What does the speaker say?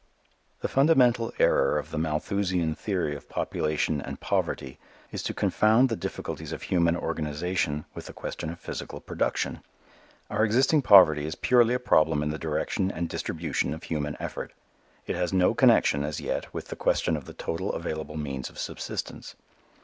The fundamental error of the Malthusian theory of population and poverty is to confound the difficulties of human organization with the question of physical production. Our existing poverty is purely a problem in the direction and distribution of human effort. It has no connection as yet with the question of the total available means of subsistence.